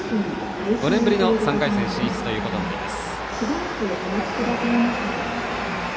５年ぶりの３回戦進出ということになります。